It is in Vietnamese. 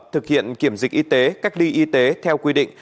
thực hiện kiểm dịch y tế cách ly y tế theo quy định